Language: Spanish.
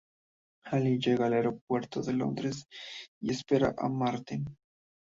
Hallie llega al aeropuerto de Londres y espera a Martin.